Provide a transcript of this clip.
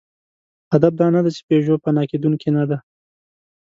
هدف دا نهدی، چې پيژو فنا کېدونکې نهده.